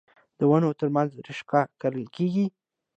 د ونو ترمنځ رشقه کرل کیږي.